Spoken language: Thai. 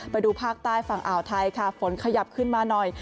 ไปดูภาคใต้ฝั่งอ่าวไทยค่ะฝนขยับขึ้นมาหน่อย